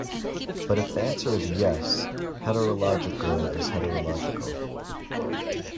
But if the answer is 'yes', "heterological" is heterological.